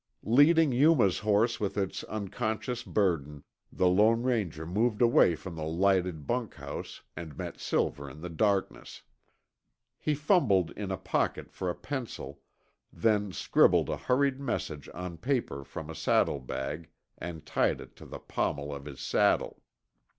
Leading Yuma's horse with its unconscious burden, the Lone Ranger moved away from the lighted bunkhouse and met Silver in the darkness. He fumbled in a pocket for a pencil, then scribbled a hurried message on paper from a saddlebag and tied it to the pommel of his saddle.